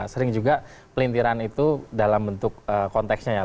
sering juga pelintiran itu dalam bentuk konteksnya ya